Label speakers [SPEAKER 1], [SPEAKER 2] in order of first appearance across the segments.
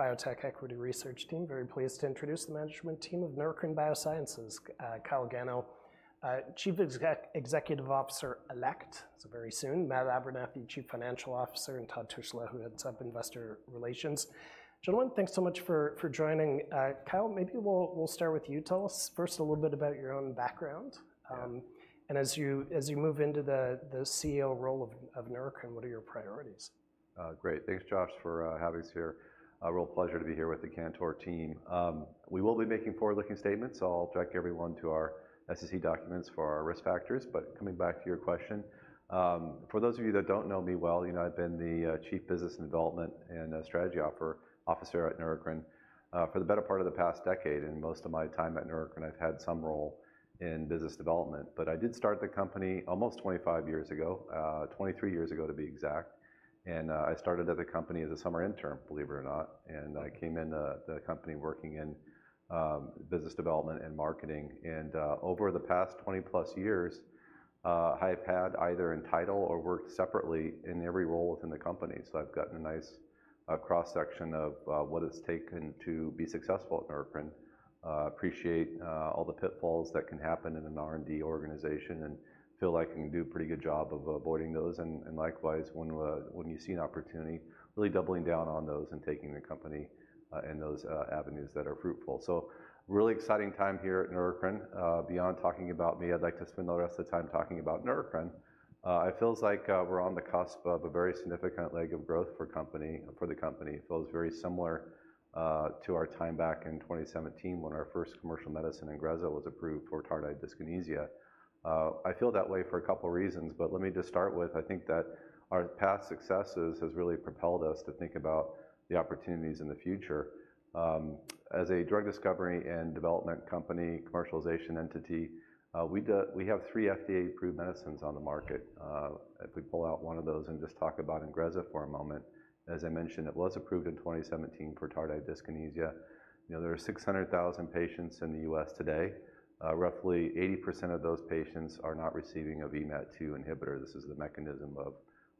[SPEAKER 1] Biotech Equity Research Team, very pleased to introduce the management team of Neurocrine Biosciences. Kyle Gano, Chief Executive Officer-elect, so very soon. Matt Abernethy, Chief Financial Officer, and Todd Tushla, who heads up investor relations. Gentlemen, thanks so much for joining. Kyle, maybe we'll start with you. Tell us first a little bit about your own background.
[SPEAKER 2] Yeah.
[SPEAKER 1] As you move into the CEO role of Neurocrine, what are your priorities?
[SPEAKER 2] Great. Thanks, Josh, for having us here. A real pleasure to be here with the Cantor team. We will be making forward-looking statements, so I'll direct everyone to our SEC documents for our risk factors. Coming back to your question, for those of you that don't know me well, you know, I've been the chief business development and strategy officer at Neurocrine for the better part of the past decade, and most of my time at Neurocrine, I've had some role in business development. I did start the company almost 25 years ago, 23 years ago, to be exact, and I started at the company as a summer intern, believe it or not, and I came into the company working in business development and marketing. Over the past 20-plus years, I've had either in title or worked separately in every role within the company. I've gotten a nice cross-section of what it's taken to be successful at Neurocrine. Appreciate all the pitfalls that can happen in an R&D organization and feel I can do a pretty good job of avoiding those and likewise, when you see an opportunity, really doubling down on those and taking the company in those avenues that are fruitful. Really exciting time here at Neurocrine. Beyond talking about me, I'd like to spend the rest of the time talking about Neurocrine. It feels like we're on the cusp of a very significant leg of growth for the company. It feels very similar to our time back in 2017 when our first commercial medicine, Ingrezza, was approved for tardive dyskinesia. I feel that way for a couple reasons, but let me just start with, I think that our past successes has really propelled us to think about the opportunities in the future. As a drug discovery and development company, commercialization entity, we have three FDA-approved medicines on the market. If we pull out one of those and just talk about Ingrezza for a moment, as I mentioned, it was approved in 2017 for tardive dyskinesia. You know, there are 600,000 patients in the U.S. today. Roughly 80% of those patients are not receiving a VMAT2 inhibitor. This is the mechanism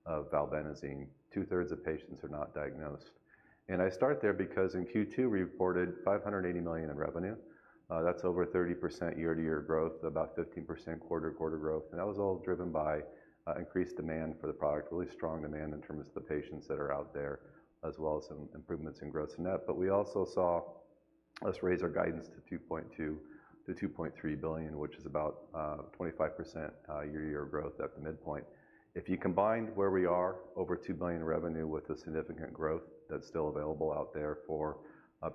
[SPEAKER 2] of valbenazine. Two-thirds of patients are not diagnosed. I start there because in Q2, we reported $580 million in revenue. That's over 30% year-to-year growth, about 15% quarter-to-quarter growth, and that was all driven by increased demand for the product. Really strong demand in terms of the patients that are out there, as well as some improvements in gross-to-net. But we also saw us raise our guidance to $2.2-$2.3 billion, which is about 25% year-to-year growth at the midpoint. If you combined where we are, over $2 billion in revenue, with the significant growth that's still available out there for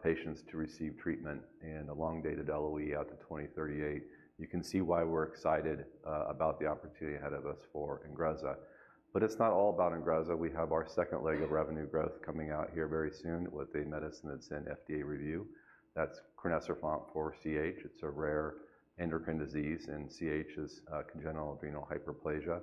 [SPEAKER 2] patients to receive treatment and elongated LOE out to 2038, you can see why we're excited about the opportunity ahead of us for Ingrezza. But it's not all about Ingrezza. We have our second leg of revenue growth coming out here very soon with a medicine that's in FDA review. That's crinecerfont for CAH. It's a rare endocrine disease, and CAH is congenital adrenal hyperplasia.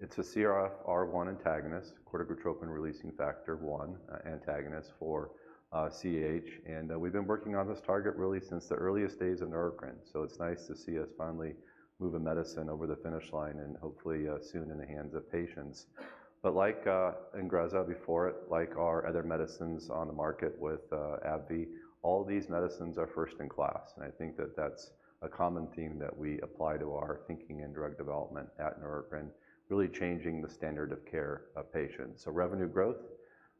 [SPEAKER 2] It's a CRF1 antagonist, corticotropin-releasing factor one antagonist for CAH. And we've been working on this target really since the earliest days of Neurocrine, so it's nice to see us finally move a medicine over the finish line and hopefully soon in the hands of patients. But like Ingrezza before it, like our other medicines on the market with AbbVie, all these medicines are first in class, and I think that that's a common theme that we apply to our thinking in drug development at Neurocrine, really changing the standard of care of patients. Revenue growth,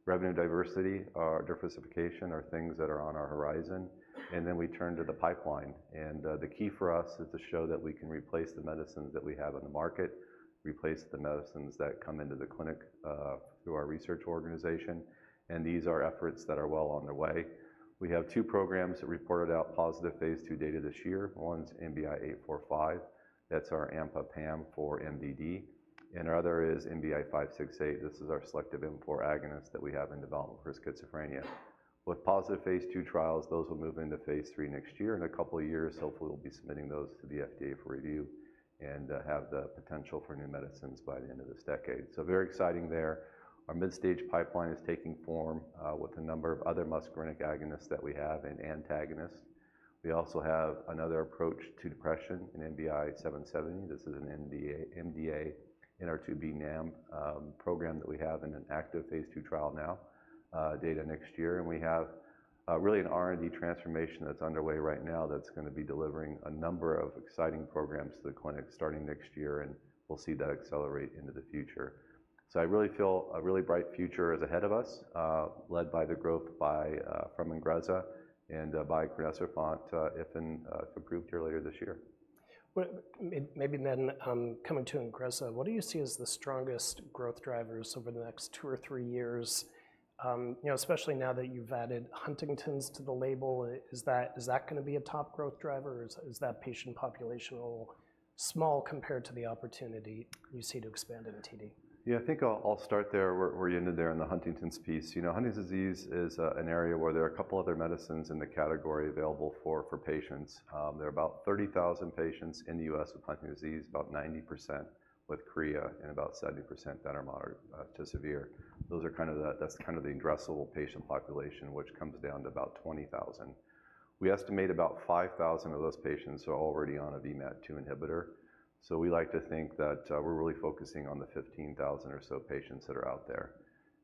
[SPEAKER 2] revenue diversity, diversification are things that are on our horizon, and then we turn to the pipeline, and the key for us is to show that we can replace the medicines that we have on the market, replace the medicines that come into the clinic, through our research organization, and these are efforts that are well on their way. We have two programs that reported out positive phase II data this year. One's NBI-845. That's our AMPA/PAM for MDD, and our other is NBI-568. This is our selective M4 agonist that we have in development for schizophrenia. With positive phase II trials, those will move into phase III next year. In a couple of years, hopefully, we'll be submitting those to the FDA for review and have the potential for new medicines by the end of this decade. So very exciting there. Our mid-stage pipeline is taking form with a number of other muscarinic agonists that we have and antagonists. We also have another approach to depression, an NBI-770. This is an NMDA NR2B NAM program that we have in an active phase II trial now, data next year. And we have really an R&D transformation that's underway right now that's gonna be delivering a number of exciting programs to the clinic starting next year, and we'll see that accelerate into the future. So I really feel a really bright future is ahead of us, led by the growth by... from Ingrezza and by Crinecerfont if approved earlier this year.
[SPEAKER 1] Maybe then, coming to Ingrezza, what do you see as the strongest growth drivers over the next two or three years? You know, especially now that you've added Huntington's to the label, is that gonna be a top growth driver, or is that patient population a little small compared to the opportunity you see to expand in TD?
[SPEAKER 2] Yeah, I think I'll start there, where you ended there in the Huntington's piece. You know, Huntington's disease is an area where there are a couple other medicines in the category available for patients. There are about 30,000 patients in the U.S. with Huntington's disease, about 90% with chorea, and about 70% that are moderate to severe. Those are kind of the-- That's kind of the addressable patient population, which comes down to about 20,000. We estimate about 5,000 of those patients are already on a VMAT2 inhibitor, so we like to think that we're really focusing on the 15,000 or so patients that are out there.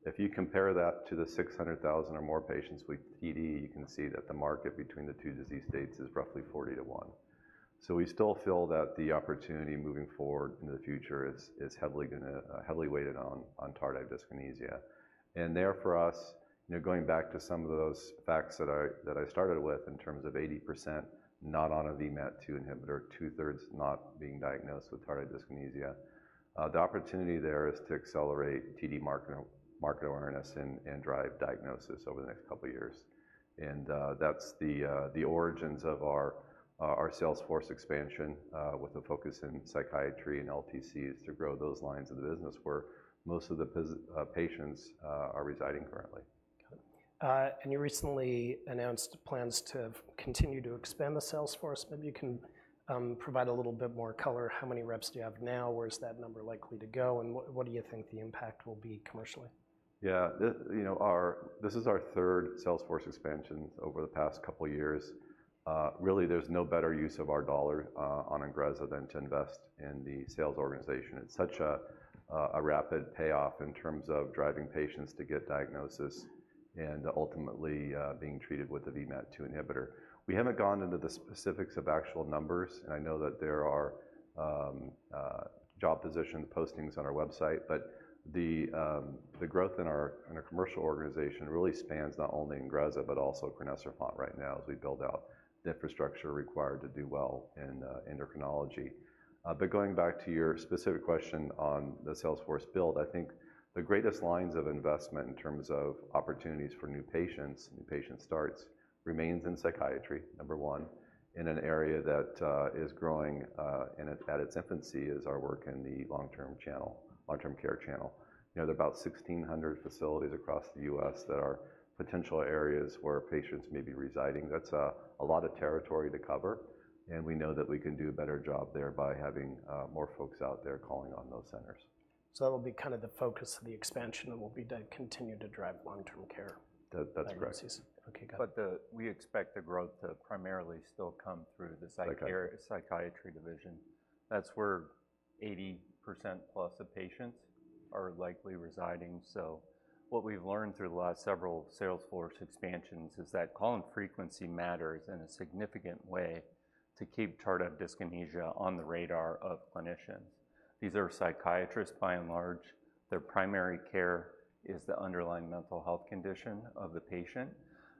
[SPEAKER 2] If you compare that to the 600,000 or more patients with TD, you can see that the market between the two disease states is roughly 40 to one. We still feel that the opportunity moving forward in the future is heavily weighted on tardive dyskinesia. There for us, you know, going back to some of those facts that I started with in terms of 80% not on a VMAT2 inhibitor, two-thirds not being diagnosed with tardive dyskinesia. The opportunity there is to accelerate TD market awareness and drive diagnosis over the next couple of years. That's the origins of our sales force expansion with a focus in psychiatry and LTCs to grow those lines of the business where most of the patients are residing currently.
[SPEAKER 1] Got it. And you recently announced plans to continue to expand the sales force. Maybe you can provide a little bit more color. How many reps do you have now? Where is that number likely to go, and what do you think the impact will be commercially?
[SPEAKER 2] Yeah. You know, this is our third sales force expansion over the past couple of years. Really, there's no better use of our dollar on Ingrezza than to invest in the sales organization. It's such a rapid payoff in terms of driving patients to get diagnosis and ultimately being treated with a VMAT2 inhibitor. We haven't gone into the specifics of actual numbers, and I know that there are job position postings on our website, but the growth in our commercial organization really spans not only Ingrezza, but also Crinecerfont right now as we build out the infrastructure required to do well in endocrinology. But going back to your specific question on the sales force build, I think the greatest lines of investment in terms of opportunities for new patients, new patient starts, remains in psychiatry, number one, in an area that is growing and at its infancy is our work in the long-term channel, long-term care channel. You know, there are about 1,600 facilities across the U.S. that are potential areas where patients may be residing. That's a lot of territory to cover, and we know that we can do a better job there by having more folks out there calling on those centers.
[SPEAKER 1] That'll be kind of the focus of the expansion and will be to continue to drive long-term care.
[SPEAKER 2] That, that's correct.
[SPEAKER 1] Diagnosis. Okay, got it.
[SPEAKER 3] We expect the growth to primarily still come through the psychiatry-
[SPEAKER 2] Psychiatry.
[SPEAKER 3] Psychiatry division. That's where 80% plus of patients are likely residing. So what we've learned through the last several sales force expansions is that call frequency matters in a significant way to keep Tardive Dyskinesia on the radar of clinicians. These are psychiatrists, by and large. Their primary care is the underlying mental health condition of the patient.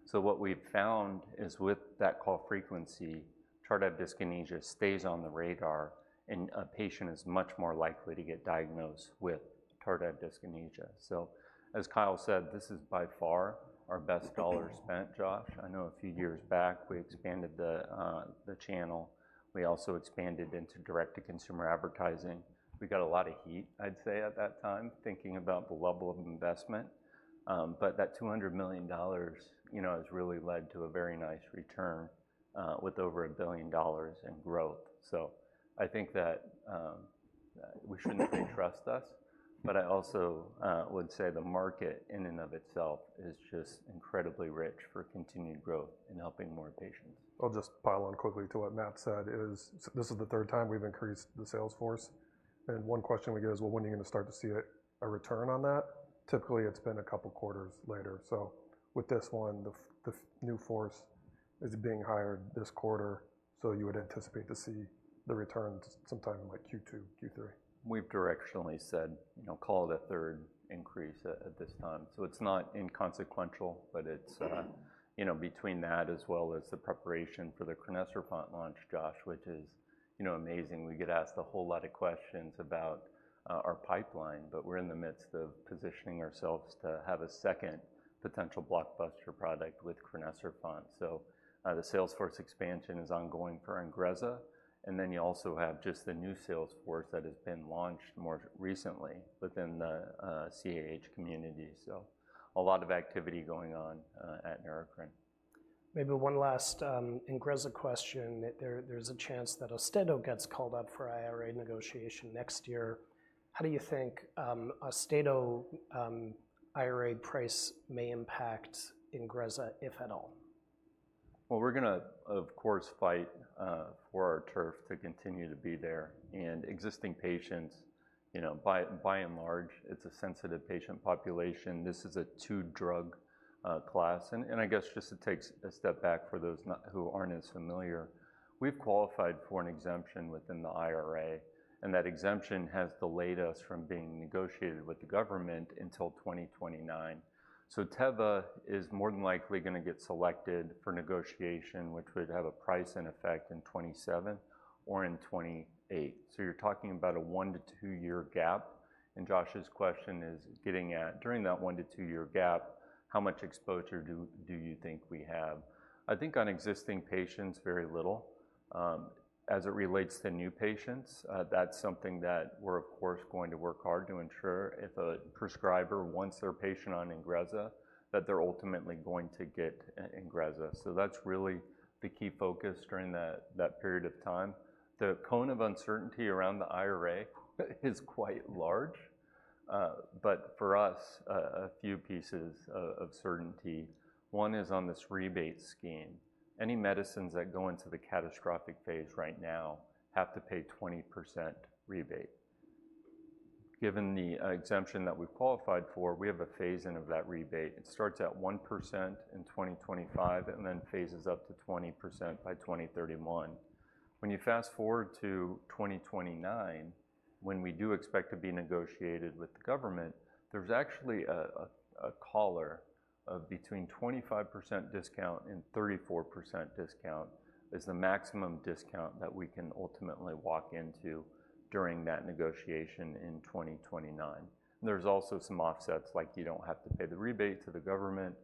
[SPEAKER 3] So what we've found is with that call frequency, tardive dyskinesia stays on the radar, and a patient is much more likely to get diagnosed with Tardive Dyskinesia. So, as Kyle said, this is by far our best dollar spent, Josh. I know a few years back, we expanded the, the channel. We also expanded into direct-to-consumer advertising. We got a lot of heat, I'd say, at that time, thinking about the level of investment, but that $200 million, you know, has really led to a very nice return, with over $1 billion in growth. So I think that, we shouldn't trust us, but I also, would say the market in and of itself is just incredibly rich for continued growth in helping more patients.
[SPEAKER 4] I'll just pile on quickly to what Matt said. This is the third time we've increased the sales force, and one question we get is: Well, when are you going to start to see a return on that? Typically, it's been a couple quarters later. So with this one, the new force is being hired this quarter, so you would anticipate to see the returns sometime in like Q2, Q3.
[SPEAKER 3] We've directionally said, you know, call it a third increase at this time. So it's not inconsequential, but it's, you know, between that as well as the preparation for the Crinecerfont launch, Josh, which is, you know, amazing. We get asked a whole lot of questions about our pipeline, but we're in the midst of positioning ourselves to have a second potential blockbuster product with Crinecerfont. So, the sales force expansion is ongoing for Ingrezza, and then you also have just the new sales force that has been launched more recently within the CAH community. So a lot of activity going on at Neurocrine.
[SPEAKER 1] Maybe one last Ingrezza question. There, there's a chance that Austedo gets called up for IRA negotiation next year. How do you think Austedo IRA price may impact Ingrezza, if at all?
[SPEAKER 3] We're gonna, of course, fight for our turf to continue to be there, and existing patients, you know, by and large, it's a sensitive patient population. This is a two-drug class. I guess just to take a step back for those who aren't as familiar, we've qualified for an exemption within the IRA, and that exemption has delayed us from being negotiated with the government until 2029. So Teva is more than likely gonna get selected for negotiation, which would have a price in effect in 2027 or in 2028. So you're talking about a one- to two-year gap, and Josh's question is getting at, during that one- to two-year gap, how much exposure do you think we have? I think on existing patients, very little. As it relates to new patients, that's something that we're of course going to work hard to ensure if a prescriber wants their patient on Ingrezza, that they're ultimately going to get Ingrezza. So that's really the key focus during that period of time. The cone of uncertainty around the IRA is quite large, but for us, a few pieces of certainty. One is on this rebate scheme. Any medicines that go into the catastrophic phase right now have to pay 20% rebate, given the exemption that we've qualified for, we have a phase-in of that rebate. It starts at 1% in 2025 and then phases up to 20% by 2031. When you fast-forward to 2029, when we do expect to be negotiated with the government, there's actually a collar of between 25% discount and 34% discount, is the maximum discount that we can ultimately walk into during that negotiation in 2029. There's also some offsets, like you don't have to pay the rebate to the government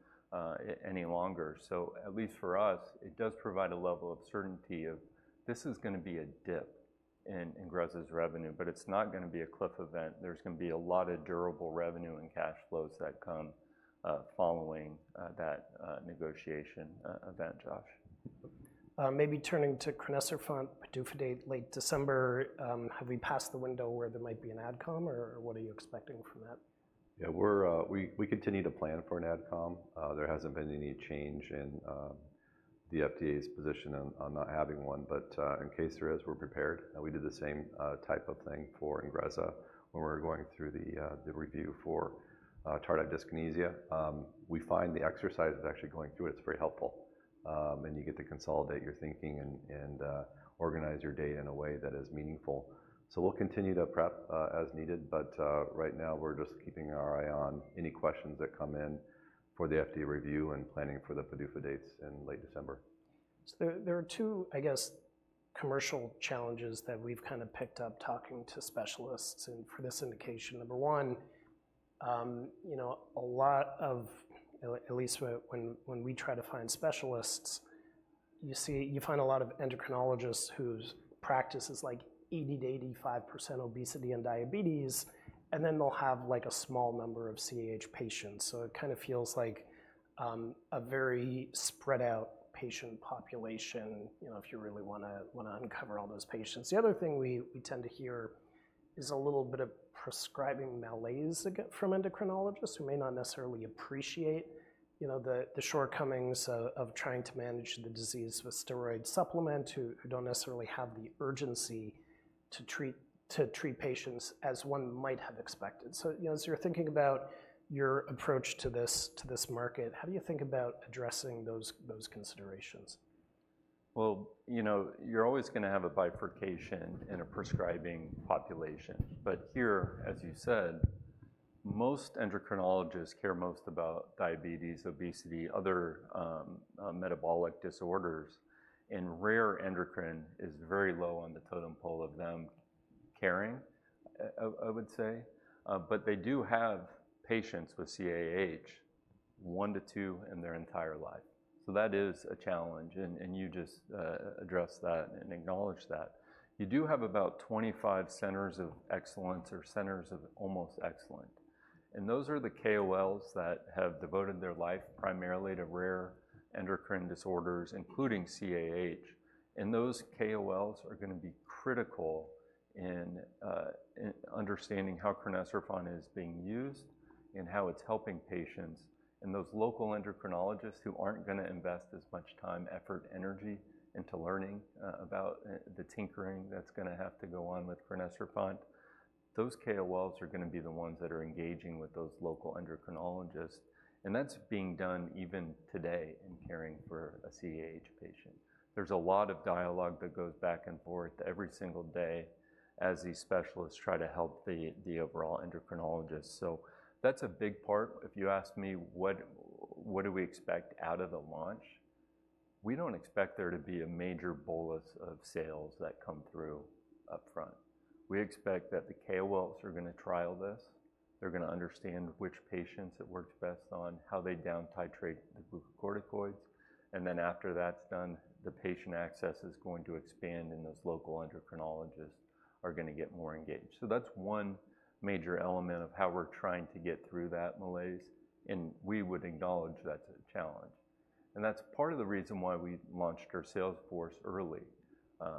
[SPEAKER 3] any longer. So at least for us, it does provide a level of certainty of, this is gonna be a dip in Ingrezza's revenue, but it's not gonna be a cliff event. There's gonna be a lot of durable revenue and cash flows that come following that negotiation event. Josh?
[SPEAKER 1] Maybe turning to Crinecerfont PDUFA date, late December, have we passed the window where there might be an AdCom, or what are you expecting from that?
[SPEAKER 3] Yeah, we're. We continue to plan for an AdCom. There hasn't been any change in the FDA's position on not having one, but in case there is, we're prepared, and we did the same type of thing for Ingrezza when we were going through the review for tardive dyskinesia. We find the exercise of actually going through it, it's very helpful, and you get to consolidate your thinking and organize your data in a way that is meaningful, so we'll continue to prep as needed, but right now, we're just keeping our eye on any questions that come in for the FDA review and planning for the PDUFA dates in late December.
[SPEAKER 1] So there are two, I guess, commercial challenges that we've kinda picked up talking to specialists and for this indication. Number one, you know, a lot of, at least when we try to find specialists, you find a lot of endocrinologists whose practice is, like, 80-85% obesity and diabetes, and then they'll have, like, a small number of CAH patients. So it kinda feels like a very spread out patient population, you know, if you really wanna uncover all those patients. The other thing we tend to hear is a little bit of prescribing malaise from endocrinologists, who may not necessarily appreciate, you know, the shortcomings of trying to manage the disease with steroid supplement, who don't necessarily have the urgency to treat patients as one might have expected. So, you know, as you're thinking about your approach to this market, how do you think about addressing those considerations?
[SPEAKER 3] You know, you're always gonna have a bifurcation in a prescribing population. But here, as you said, most endocrinologists care most about diabetes, obesity, other metabolic disorders, and rare endocrine is very low on the totem pole of them caring, I would say. But they do have patients with CAH, one to two in their entire life, so that is a challenge, and you just addressed that and acknowledged that. You do have about 25 centers of excellence or centers of almost excellence, and those are the KOLs that have devoted their life primarily to rare endocrine disorders, including CAH, and those KOLs are gonna be critical in understanding how Crinecerfont is being used and how it's helping patients. Those local endocrinologists who aren't gonna invest as much time, effort, energy into learning about the tinkering that's gonna have to go on with crinecerfont, those KOLs are gonna be the ones that are engaging with those local endocrinologists, and that's being done even today in caring for a CAH patient. There's a lot of dialogue that goes back and forth every single day as these specialists try to help the overall endocrinologist. So that's a big part. If you ask me, what do we expect out of the launch? We don't expect there to be a major bolus of sales that come through upfront. We expect that the KOLs are gonna trial this. They're gonna understand which patients it works best on, how they down titrate the glucocorticoids, and then after that's done, the patient access is going to expand, and those local endocrinologists are gonna get more engaged. So that's one major element of how we're trying to get through that malaise, and we would acknowledge that's a challenge. And that's part of the reason why we launched our sales force early.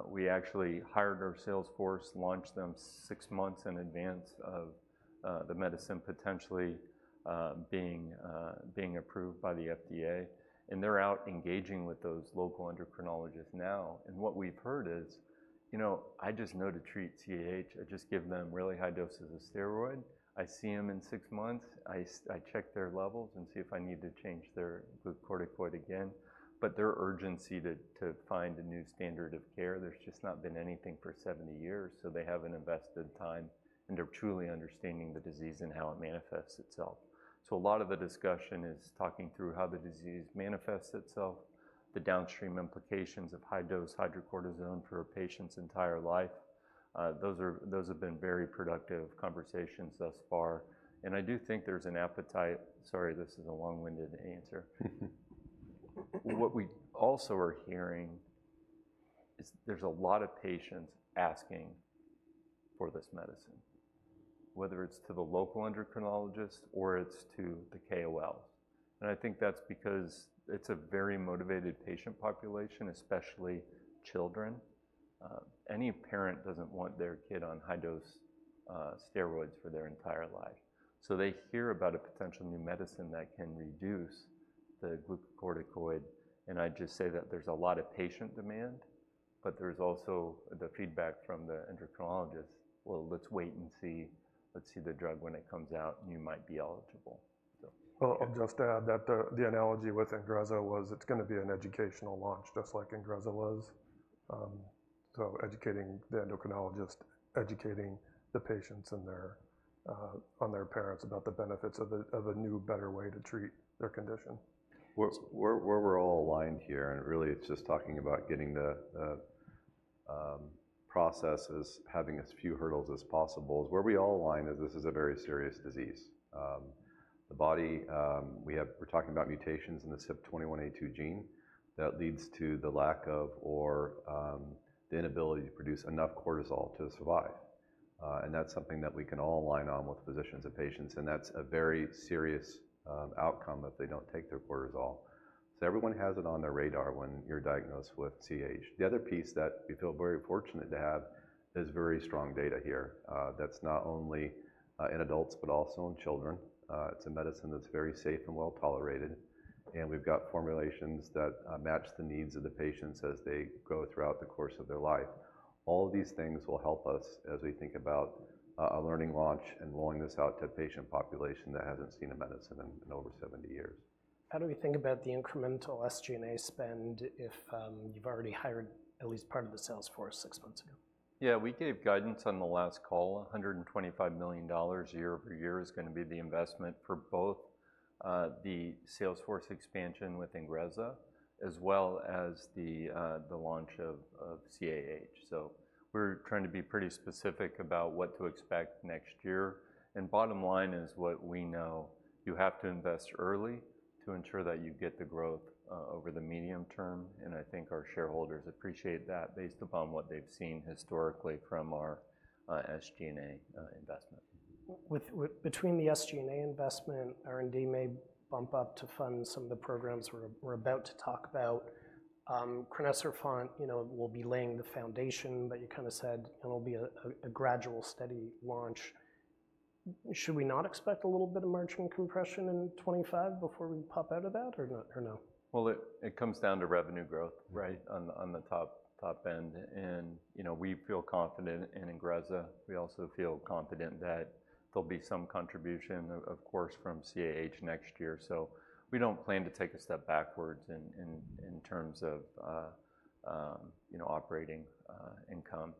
[SPEAKER 3] We actually hired our sales force, launched them six months in advance of the medicine potentially being approved by the FDA, and they're out engaging with those local endocrinologists now. And what we've heard is, "You know, I just know to treat CAH. I just give them really high doses of steroid. I see them in six months. I check their levels and see if I need to change their glucocorticoid again." But their urgency to find a new standard of care, there's just not been anything for seventy years, so they haven't invested time into truly understanding the disease and how it manifests itself. So a lot of the discussion is talking through how the disease manifests itself, the downstream implications of high-dose hydrocortisone for a patient's entire life. Those have been very productive conversations thus far, and I do think there's an appetite... Sorry, this is a long-winded answer. What we also are hearing is there's a lot of patients asking for this medicine, whether it's to the local endocrinologist or it's to the KOLs, and I think that's because it's a very motivated patient population, especially children. Any parent doesn't want their kid on high-dose steroids for their entire life. So they hear about a potential new medicine that can reduce the glucocorticoid, and I'd just say that there's a lot of patient demand, but there's also the feedback from the endocrinologist. "Well, let's wait and see. Let's see the drug when it comes out, and you might be eligible," so.
[SPEAKER 4] I'll just add that the analogy with Ingrezza was it's gonna be an educational launch, just like Ingrezza was. So educating the endocrinologist, educating the patients and their parents about the benefits of a new, better way to treat their condition.
[SPEAKER 2] Where we're all aligned here, and really it's just talking about getting the processes, having as few hurdles as possible, is where we all align is this is a very serious disease. The body, we have we're talking about mutations in the CYP21A2 gene that leads to the lack of, or, the inability to produce enough cortisol to survive. And that's something that we can all align on with physicians and patients, and that's a very serious outcome if they don't take their cortisol. Everyone has it on their radar when you're diagnosed with CAH. The other piece that we feel very fortunate to have is very strong data here, that's not only in adults, but also in children. It's a medicine that's very safe and well-tolerated, and we've got formulations that match the needs of the patients as they go throughout the course of their life. All of these things will help us as we think about a learning launch and rolling this out to a patient population that hasn't seen a medicine in over 70 years.
[SPEAKER 1] How do we think about the incremental SG&A spend if you've already hired at least part of the sales force six months ago?
[SPEAKER 3] Yeah, we gave guidance on the last call. $125 million year-over-year is gonna be the investment for both the sales force expansion with Ingrezza, as well as the launch of CAH. So we're trying to be pretty specific about what to expect next year, and bottom line is what we know. You have to invest early to ensure that you get the growth over the medium term, and I think our shareholders appreciate that based upon what they've seen historically from our SG&A investment.
[SPEAKER 1] With between the SG&A investment, R&D may bump up to fund some of the programs we're about to talk about. Crinecerfont, you know, will be laying the foundation, but you kinda said it'll be a gradual, steady launch. Should we not expect a little bit of margin compression in twenty-five before we pop out of that, or not, or no?
[SPEAKER 3] It comes down to revenue growth-
[SPEAKER 2] Right on the top end, and you know, we feel confident in Ingrezza. We also feel confident that there'll be some contribution, of course, from CAH next year. So we don't plan to take a step backwards in terms of, you know, operating income.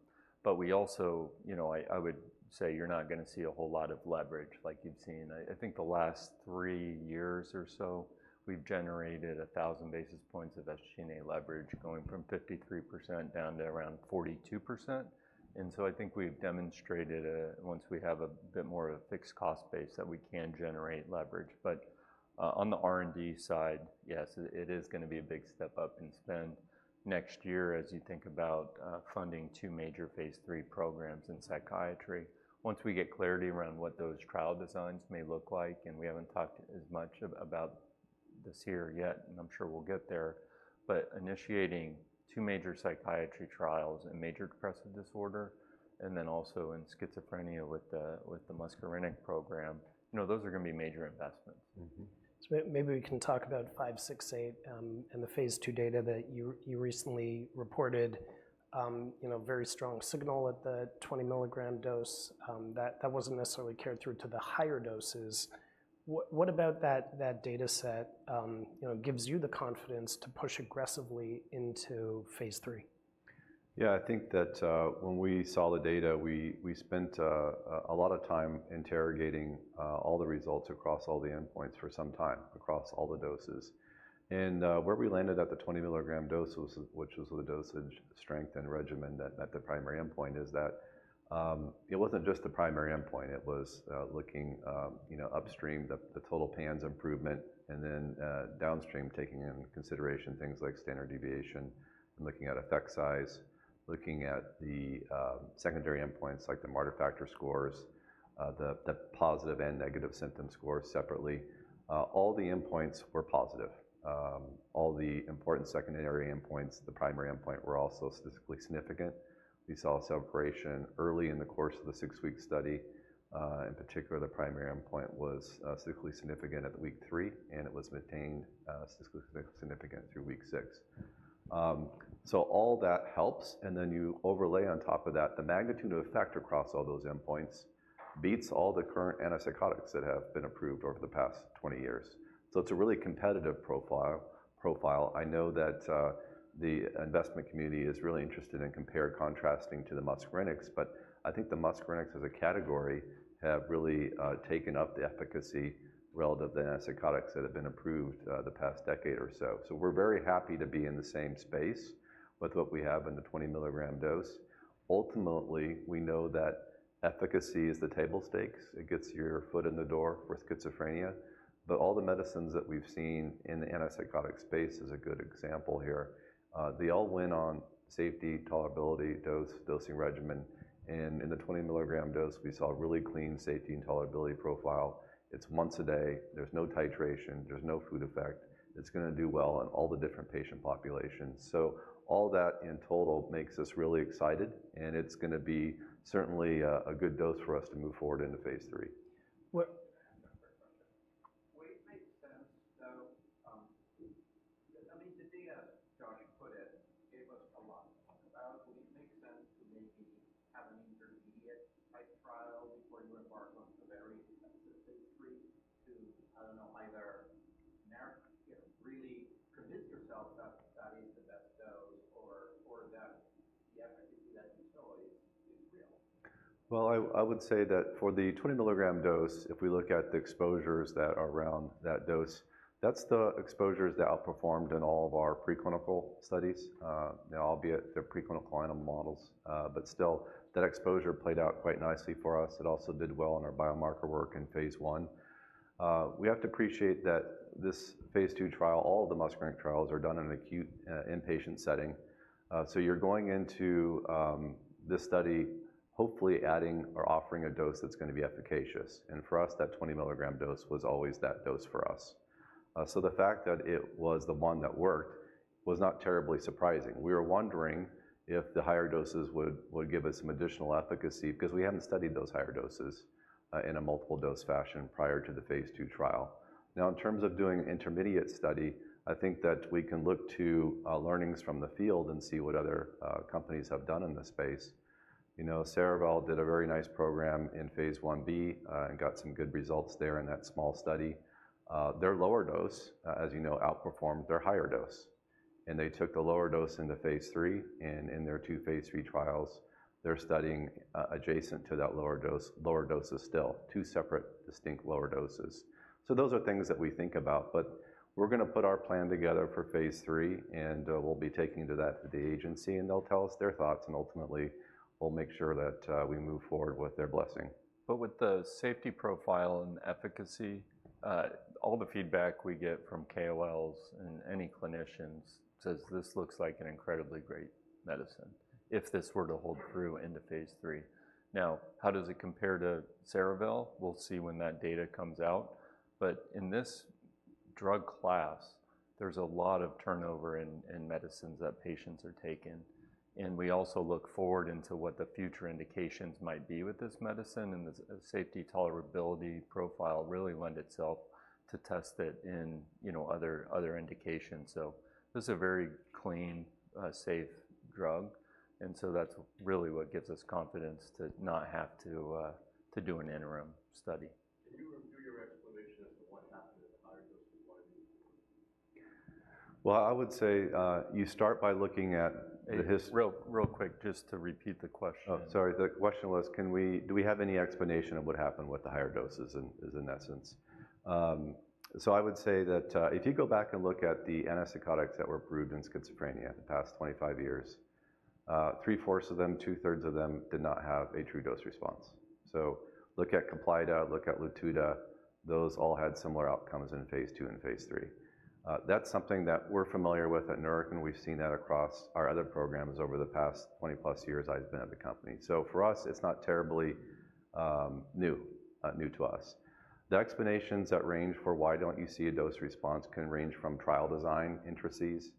[SPEAKER 2] But we also, you know, I would say you're not gonna see a whole lot of leverage like you've seen. I think the last three years or so, we've generated a thousand basis points of SG&A leverage, going from 53% down to around 42%. And so I think we've demonstrated, once we have a bit more of a fixed cost base, that we can generate leverage. On the R&D side, yes, it is gonna be a big step up in spend next year as you think about funding two major phase III programs in psychiatry. Once we get clarity around what those trial designs may look like, and we haven't talked as much about this year yet, and I'm sure we'll get there, but initiating two major psychiatry trials in major depressive disorder and then also in schizophrenia with the muscarinic program, you know, those are gonna be major investments.
[SPEAKER 1] Mm-hmm. Maybe we can talk about NBI-568, and the phase II data that you recently reported. You know, very strong signal at the 20-milligram dose, that wasn't necessarily carried through to the higher doses. What about that data set, you know, gives you the confidence to push aggressively into phase III?
[SPEAKER 2] Yeah, I think that, when we saw the data, we spent a lot of time interrogating all the results across all the endpoints for some time, across all the doses. And where we landed at the 20-milligram dose was, which was the dosage, strength, and regimen at the primary endpoint, is that it wasn't just the primary endpoint, it was looking you know upstream, the total PANSS improvement, and then downstream, taking into consideration things like standard deviation and looking at effect size, looking at the secondary endpoints, like the Marder factor scores, the positive and negative symptom scores separately. All the endpoints were positive. All the important secondary endpoints, the primary endpoint, were also statistically significant. We saw separation early in the course of the six-week study. In particular, the primary endpoint was statistically significant at week three, and it was maintained statistically significant through week six. So all that helps, and then you overlay on top of that, the magnitude of effect across all those endpoints beats all the current antipsychotics that have been approved over the past 20 years. So it's a really competitive profile. I know that the investment community is really interested in compare/contrasting to the muscarinics, but I think the muscarinics as a category have really taken up the efficacy relative to antipsychotics that have been approved the past decade or so. So we're very happy to be in the same space with what we have in the 20-milligram dose. Ultimately, we know that efficacy is the table stakes. It gets your foot in the door for schizophrenia, but all the medicines that we've seen in the antipsychotic space is a good example here. They all win on safety, tolerability, dose, dosing regimen, and in the 20-milligram dose, we saw a really clean safety and tolerability profile. It's once a day, there's no titration, there's no food effect. It's gonna do well on all the different patient populations. So all that in total makes us really excited, and it's gonna be certainly a good dose for us to move forward into phase III.... I mean, the data, Josh put it, gave us a lot to think about. Will it make sense to maybe have an intermediate-type trial before you embark on the very specific three to, I don't know, either you know, really convince yourself that that is the best dose or, or that the efficacy that you saw is real? I would say that for the 20 milligram dose, if we look at the exposures that are around that dose, that's the exposures that outperformed in all of our preclinical studies. Now, albeit they're preclinical animal models, but still, that exposure played out quite nicely for us. It also did well in our biomarker work in phase 1. We have to appreciate that this phase II trial, all of the muscarinic trials are done in an acute, inpatient setting. So you're going into this study, hopefully adding or offering a dose that's gonna be efficacious. And for us, that 20 milligram dose was always that dose for us. So the fact that it was the one that worked was not terribly surprising. We were wondering if the higher doses would give us some additional efficacy because we hadn't studied those higher doses in a multiple dose fashion prior to the phase II trial. Now, in terms of doing intermediate study, I think that we can look to learnings from the field and see what other companies have done in this space. You know, Cerevel did a very nice program in phase IB and got some good results there in that small study. Their lower dose, as you know, outperformed their higher dose, and they took the lower dose into phase III, and in their two phase III trials, they're studying adjacent to that lower dose, lower doses still, two separate, distinct lower doses. So those are things that we think about, but we're gonna put our plan together for phase III, and we'll be taking that to the agency, and they'll tell us their thoughts, and ultimately, we'll make sure that we move forward with their blessing. But with the safety profile and efficacy, all the feedback we get from KOLs and any clinicians says this looks like an incredibly great medicine if this were to hold through into phase III. Now, how does it compare to Cerevel? We'll see when that data comes out. But in this drug class, there's a lot of turnover in medicines that patients are taking, and we also look forward into what the future indications might be with this medicine, and the safety tolerability profile really lend itself to test it in, you know, other indications. So this is a very clean, safe drug, and so that's really what gives us confidence to not have to do an interim study. Can you review your explanation as to what happened to the higher doses? Why did they work? I would say you start by looking at the Real, real quick, just to repeat the question. Oh, sorry. The question was, do we have any explanation of what happened with the higher doses, in essence. So I would say that, if you go back and look at the antipsychotics that were approved in schizophrenia in the past 25 years, three-fourths of them, two-thirds of them did not have a true dose response. So look at Caplyta, look at Latuda. Those all had similar outcomes in phase II and phase III. That's something that we're familiar with at Neurocrine. We've seen that across our other programs over the past 20 plus years I've been at the company. So for us, it's not terribly new to us. The explanations that range for why don't you see a dose response can range from trial design, intricacies,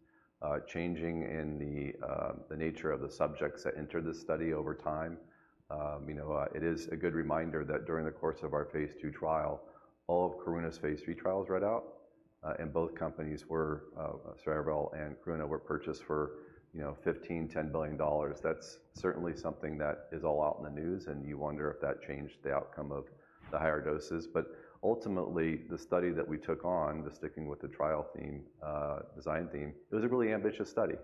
[SPEAKER 2] changing in the nature of the subjects that entered the study over time. You know, it is a good reminder that during the course of our phase II trial, all of Karuna's phase III trials read out, and both companies were, Cerevel and Karuna were purchased for, you know, $15 billion, $10 billion. That's certainly something that is all out in the news, and you wonder if that changed the outcome of the higher doses. But ultimately, the study that we took on, the sticking with the trial theme, design theme, it was a really ambitious study.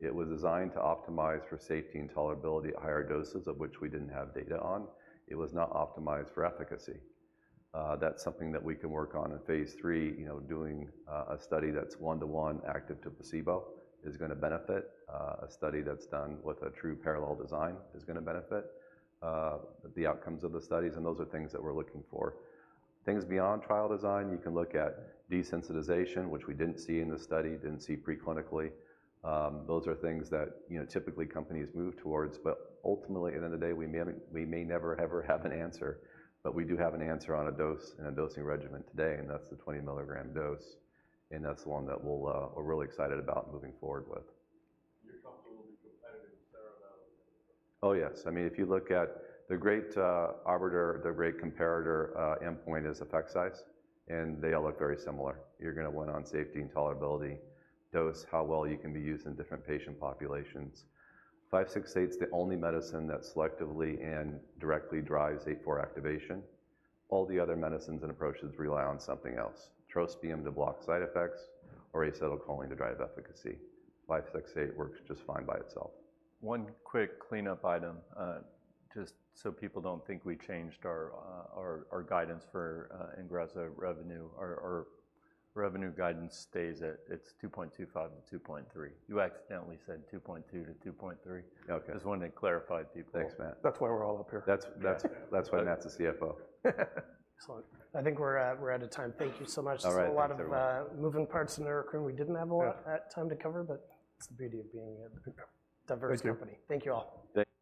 [SPEAKER 2] It was designed to optimize for safety and tolerability at higher doses, of which we didn't have data on. It was not optimized for efficacy. That's something that we can work on in phase III, you know, doing a study that's one-to-one, active to placebo is gonna benefit a study that's done with a true parallel design is gonna benefit the outcomes of the studies, and those are things that we're looking for. Things beyond trial design, you can look at desensitization, which we didn't see in this study, didn't see preclinically. Those are things that, you know, typically companies move towards, but ultimately, at the end of the day, we may have... We may never, ever have an answer, but we do have an answer on a dose and a dosing regimen today, and that's the 20 milligram dose, and that's the one that we'll, we're really excited about moving forward with. You're comfortable with the competitive Cerevel? Oh, yes. I mean, if you look at the great arbiter, the great comparator endpoint is effect size, and they all look very similar. You're gonna win on safety and tolerability, dose, how well you can be used in different patient populations. 568's the only medicine that selectively and directly drives M4 activation. All the other medicines and approaches rely on something else. Trospium to block side effects or acetylcholine to drive efficacy. Five, six, eight works just fine by itself.
[SPEAKER 3] One quick cleanup item, just so people don't think we changed our guidance for Ingrezza revenue. Our revenue guidance stays at... It's $2.25 and $2.3. You accidentally said $2.2 to $2.3.
[SPEAKER 2] Okay.
[SPEAKER 3] Just wanted to clarify for people.
[SPEAKER 2] Thanks, Matt.
[SPEAKER 1] That's why we're all up here.
[SPEAKER 2] That's why Matt's a CFO.
[SPEAKER 1] Excellent. I think we're out of time. Thank you so much.
[SPEAKER 2] All right.
[SPEAKER 1] There's a lot of moving parts in Neurocrine. We didn't have a lot of time to cover, but that's the beauty of being a diverse company.
[SPEAKER 2] Thank you.
[SPEAKER 1] Thank you all.
[SPEAKER 2] Thank-